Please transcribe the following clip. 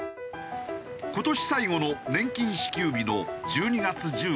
今年最後の年金支給日の１２月１５日。